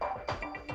hah diam dulu ya